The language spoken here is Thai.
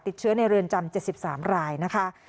ติดเชื้อในเรือนจำ๗๓รายนะคะ